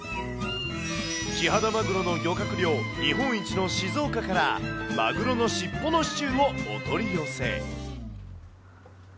キハダマグロの漁獲量日本一の静岡から、マグロの尻尾のシチューをお取り寄せ。